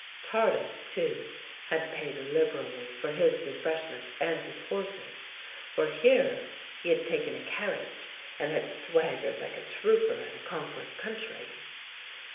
Tardif, too, had paid liberally for his refresh ment and his horses, for here he had taken a carriage THE LANE THAT HAD NO TURNING 51 and had swaggered like a trooper in a conquered country.